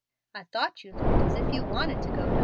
I tho't you looked as if you wanted to go dar."